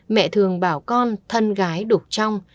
mẹ thường bảo con thân gái đục trong